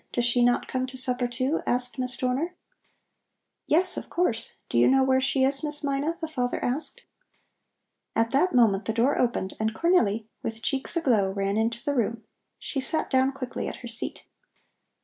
Does she not come to supper, too?" asked Miss Dorner. "Yes, of course. Do you know where she is, Miss Mina?" the father asked. At that moment the door opened and Cornelli, with cheeks aglow, ran into the room. She sat down quickly at her seat.